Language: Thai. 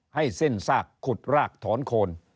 ให้สิ้นซากขุดรากถอนโคน